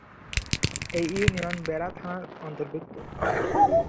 এই ইউনিয়ন বেড়া থানার অন্তর্গত।